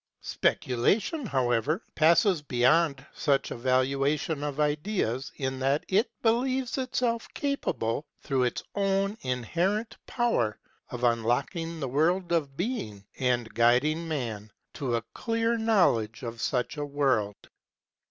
Speculation, however, passes beyond such a valuation of ideas in that it believes itself SPECULATIVE PHILOSOPHY 31 capable through its own inherent power of unlocking the world of Being and of guiding man to a clear knowledge of such a world.